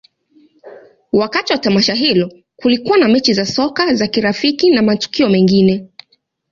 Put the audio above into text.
Wakati wa tamasha hilo, kulikuwa na mechi za soka za kirafiki na matukio mengine.